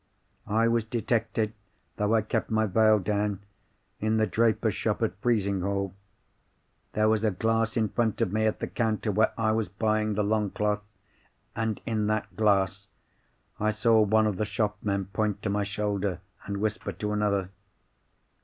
I was detected (though I kept my veil down) in the draper's shop at Frizinghall. There was a glass in front of me, at the counter where I was buying the longcloth; and—in that glass—I saw one of the shopmen point to my shoulder and whisper to another.